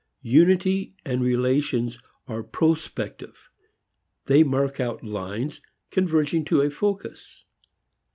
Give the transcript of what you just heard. Unity, relations, are prospective; they mark out lines converging to a focus.